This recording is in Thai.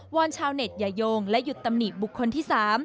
อนชาวเน็ตอย่าโยงและหยุดตำหนิบุคคลที่๓